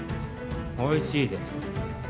おいしいです。